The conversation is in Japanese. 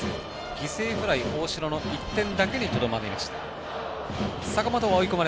犠牲フライ、大城の１点だけにとどまりました。